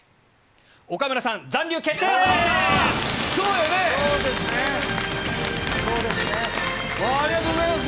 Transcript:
岡村さん、残留決定です！